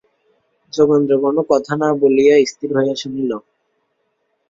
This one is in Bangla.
যোগেন্দ্র কোনো কথা না বলিয়া স্থির হইয়া শুনিল।